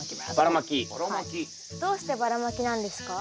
どうしてばらまきなんですか？